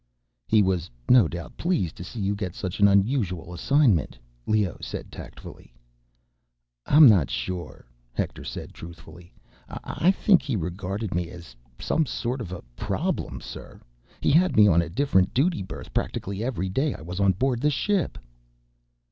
"He was no doubt pleased to see you get such an unusual assignment," Leoh said tactfully. "I'm not so sure," Hector said truthfully. "I think he regarded me as some sort of a problem, sir. He had me on a different duty berth practically every day I was on board the ship."